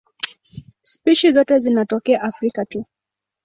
Spishi zote zinatokea Afrika tu.